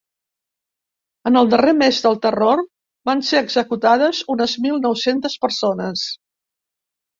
En el darrer mes del Terror, van ser executades unes mil nou-centes persones.